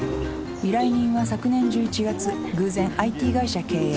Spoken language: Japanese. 「依頼人は昨年１１月偶然ＩＴ会社経営